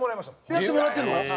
やってもらってるの？